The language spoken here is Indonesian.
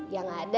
ya gak ada